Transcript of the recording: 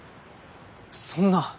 そんな。